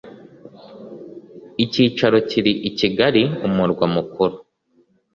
Icyicaro kiri i Kigali umurwa mukuru